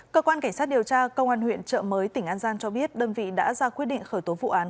cơ quan cảnh sát điều tra công an huyện trợ mới tỉnh an giang cho biết đơn vị đã ra quyết định khởi tố vụ án